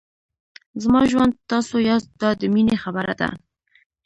زما ژوند تاسو یاست دا د مینې خبره ده.